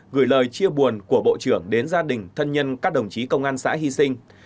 gửi lời chia buồn của bộ trưởng đến gia đình thân nhân các đồng chí công an xã hy sinh